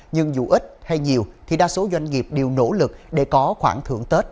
nhưng dù ít hay nhiều thì đa số doanh nghiệp đều nỗ lực để có khoảng thưởng tết